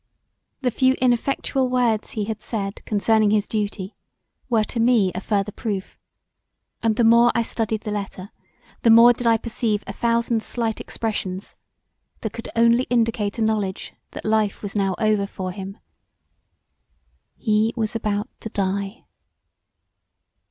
The few ineffectual words he had said concerning his duty were to me a further proof and the more I studied the letter the more did I perceive a thousand slight expressions that could only indicate a knowledge that life was now over for him. He was about to die!